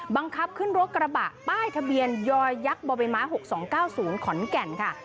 บังคับขึ้นรถกระบะป้ายทะเบียนยอยยักษ์บ่อใบไม้๖๒๙๐ขอนแก่นค่ะ